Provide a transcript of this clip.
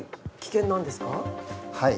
はい。